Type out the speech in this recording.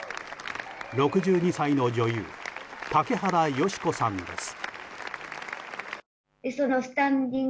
６２歳の女優・竹原芳子さんです。